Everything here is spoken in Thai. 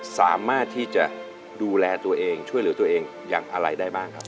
สามารถที่จะดูแลตัวเองช่วยเหลือตัวเองอย่างอะไรได้บ้างครับ